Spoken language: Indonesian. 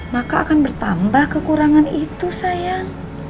maka akan bertambah kekurangan itu sayang